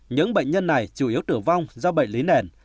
những bệnh nhân này chủ yếu tử vong do bệnh lý nền